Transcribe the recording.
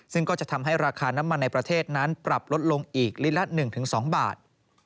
ซึ่งก็จะทำให้ราคาน้ำมันในประเทศนั้นปรับลดลงอีกลิตรละ๑๒บาท